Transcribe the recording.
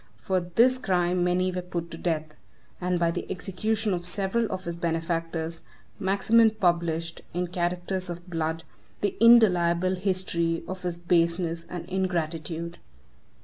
For this crime many were put to death; and by the execution of several of his benefactors, Maximin published, in characters of blood, the indelible history of his baseness and ingratitude.